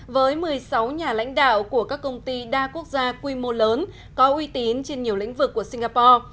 với một mươi sáu nhà lãnh đạo của các công ty đa quốc gia quy mô lớn có uy tín trên nhiều lĩnh vực của singapore